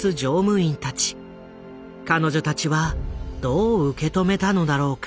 彼女たちはどう受け止めたのだろうか。